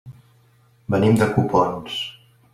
Venim de Copons.